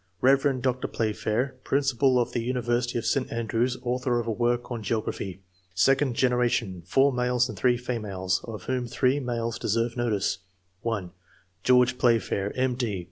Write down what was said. — Kev. Dr. Playfair, principal of the university of St. Andrews, author of a work on geography. Second generation. — 4 males and 3 females, of whom 3 males deserve notice :— (l) George Playfair, M.D.